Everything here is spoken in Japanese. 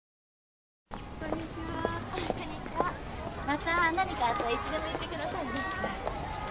また何かあったらいつでも言ってくださいね。